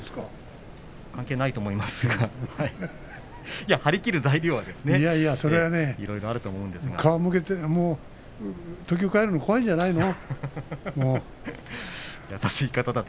関係ないと思いますが、張り切る材料はいろいろあるとそれはもう顔向けというか東京に帰るのが怖いんじゃないの。